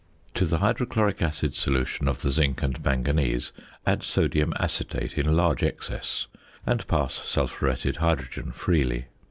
To the hydrochloric acid solution of the zinc and manganese add sodium acetate in large excess and pass sulphuretted hydrogen freely.